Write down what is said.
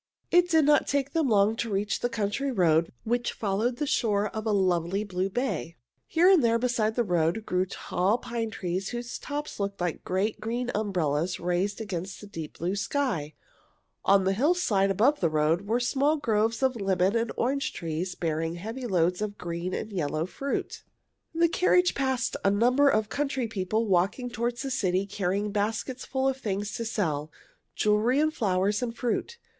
It did not take them long to reach the country road which followed the shore of the lovely blue bay. Here and there beside the road grew tall pine trees whose tops looked like great, green umbrellas raised against the deep blue sky. On the hillside above the road were small groves of lemon and orange trees bearing heavy loads of green and yellow fruit. [Illustration: The carriage passed a number of country people carrying baskets] The carriage passed a number of country people walking toward the city carrying baskets full of things to sell jewelry and flowers and fruit.